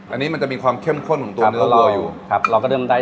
อันนี้มันจะมีความเข้มค